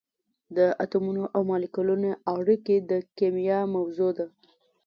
د اتمونو او مالیکولونو اړیکې د کېمیا موضوع ده.